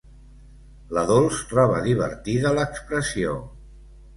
La Dols troba divertida l'expressió.